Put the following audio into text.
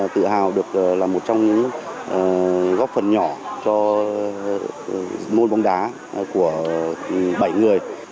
tự hào được là một trong những góp phần nhỏ cho môn bóng đá của bảy người